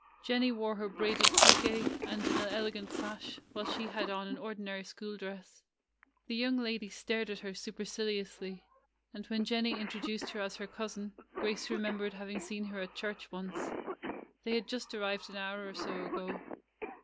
Jen nie wore her braided pique and an elegant sash, while she had on an ordinary school dress. The young lady stared at her supercil iously; and when Jennie introduced her as her cousin, Grace remembered having seen her at church once. They had just arrived an hour or so ago.